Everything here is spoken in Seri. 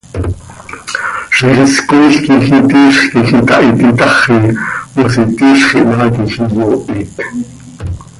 Ziix is cooil iti iizx quij itahit itaxi, mos iti iizx ihmaa quij iyoohit.